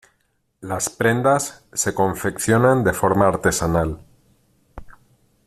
Las prendas se confeccionan de forma artesanal.